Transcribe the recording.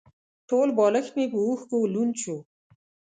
ټول بالښت مې په اوښکو لوند شو.